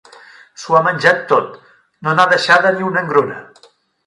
S'ho ha menjat tot, no n'ha deixada ni una engruna.